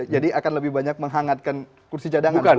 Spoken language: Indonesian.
jadi akan lebih banyak menghangatkan kursi cadangan